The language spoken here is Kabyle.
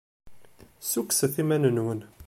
Ssukkset iman-nwen.